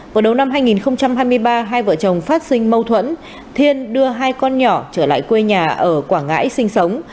vào đầu năm hai nghìn hai mươi ba hai vợ chồng phát sinh mâu thuẫn thiên đưa hai con nhỏ trở lại quê nhà ở quảng ngãi sinh sống